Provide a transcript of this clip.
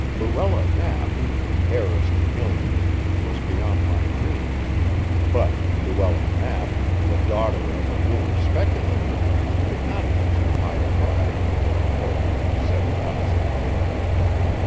Luella Knapp, the heiress to millions, was beyond my dreams, but Luella Knapp, the daughter of a ruined speculator, would not be too high a prize for a poor man to set his eyes upon.